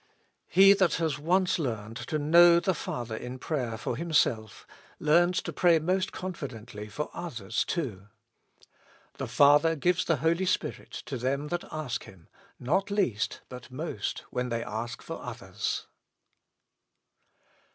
He that has once learned to know the Father in prayer for himself, learns to pray most confidently for others too. The Father gives the Holy Spirit to them that ask Him, not least, but most, when they ask for others.